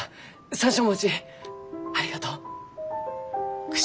山椒餅ありがとう。